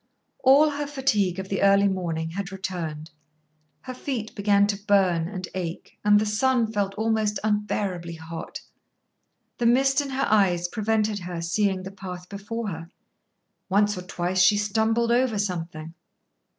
All her fatigue of the early morning had returned. Her feet began to burn and ache, and the sun felt almost unbearably hot. The mist in her eyes prevented her seeing the path before her. Once or twice she stumbled over something.